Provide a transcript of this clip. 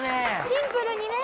シンプルにね。